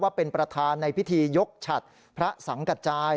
เป็นประธานในพิธียกฉัดพระสังกระจาย